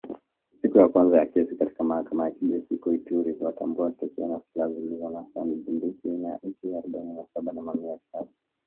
Siku ya kwanza ya kesi katika mahakama ya kijeshi huko Ituri iliwatambua washtakiwa na silaha zilizonaswa ni bunduki aina ya AK arobaini na saba na mamia ya risasi.